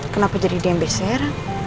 kenapa jadi dmbsr